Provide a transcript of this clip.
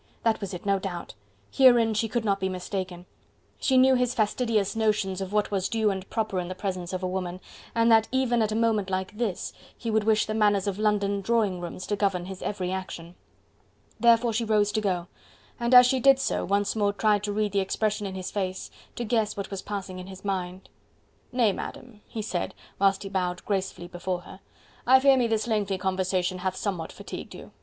that was it no doubt! Herein she could not be mistaken; she knew his fastidious notions of what was due and proper in the presence of a woman, and that even at a moment like this, he would wish the manners of London drawing rooms to govern his every action. Therefore she rose to go, and as she did so, once more tried to read the expression in his face... to guess what was passing in his mind. "Nay, Madam," he said, whilst he bowed gracefully before her, "I fear me this lengthy conversation hath somewhat fatigued you....